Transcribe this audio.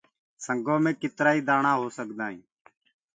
سنگو مي ڪيترآ ئي دآڻآ هو سگدآئين